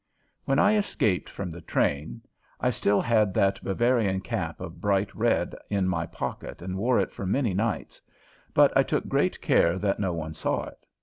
When I escaped from the train I still had that Bavarian cap of bright red in my pocket and wore it for many nights, but I took great care that no one saw it.